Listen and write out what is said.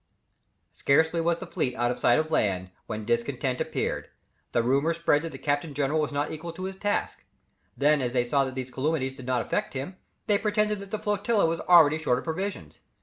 Scarcely was the fleet out of sight of land, when discontent appeared. The rumour spread that the captain general was not equal to his task; then as they saw that these calumnies did not affect him, they pretended that the flotilla was already short of provisions.